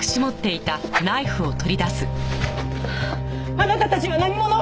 あなたたちは何者？